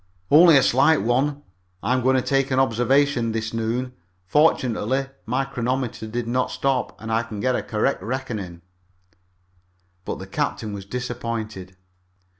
"Only a slight one. I'm going to take an observation this noon. Fortunately, my chronometer did not stop and I can get the correct reckoning." But the captain was disappointed.